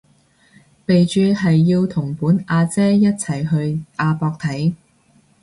備註係要同本阿姐一齊去亞博睇